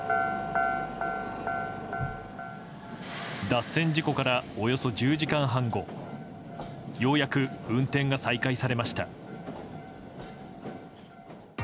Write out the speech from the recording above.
脱線事故からおよそ１０時間半後ようやく運転が再開されました。